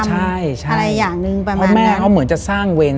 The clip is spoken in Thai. ใช่ใช่เพราะแม่เค้าเหมือนจะสร้างเวร